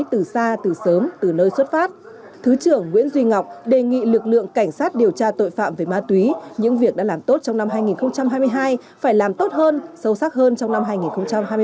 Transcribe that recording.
thứ trưởng nguyễn duy ngọc đề nghị lực lượng cảnh sát điều tra tội phạm về ma túy những việc đã làm tốt trong năm hai nghìn hai mươi hai phải làm tốt hơn sâu sắc hơn trong năm hai nghìn hai mươi ba